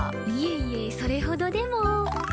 いえいえそれほどでも。